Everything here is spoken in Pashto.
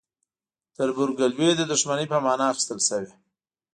تربورګلوي د دښمنۍ په معنی اخیستل شوی.